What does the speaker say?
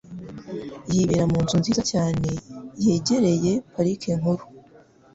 Yibera mu nzu nziza cyane yegereye Parike Nkuru